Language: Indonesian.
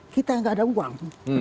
kita yang gak ada uang